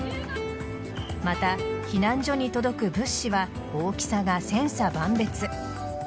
また、避難所に届く物資は大きさが千差万別。